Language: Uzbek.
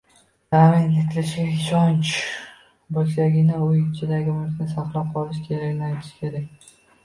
ta’min etilishiga ishonch bo‘lsagina uy ichidagi mulkni saqlab qolishga qaratilishi kerak.